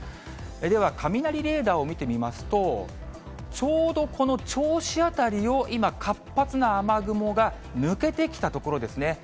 では雷レーダーを見てみますと、ちょうどこの銚子辺りを、今、活発な雨雲が抜けてきたところですね。